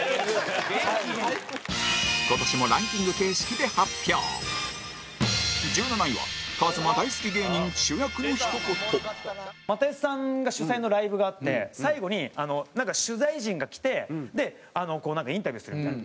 今年もランキング形式で発表１７位はＫＡＺＭＡ大好き芸人主役のひと言又吉さんが主催のライブがあって最後に、取材陣が来て、なんかインタビューするみたいな。